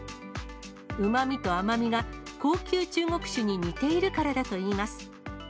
うまみと甘みが高級中国酒に似ているからだといいます。